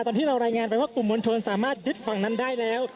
ตอนที่เรารายงานไปว่ากลุ่มมวลชนสามารถยึดฝั่งนั้นได้แล้ว